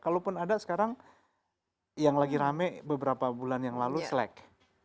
kalaupun ada sekarang yang lagi rame beberapa bulan yang lalu slack